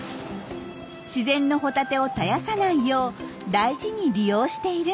自然のホタテを絶やさないよう大事に利用しているんです。